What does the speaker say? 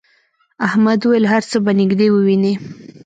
احمد وویل هر څه به نږدې ووینې.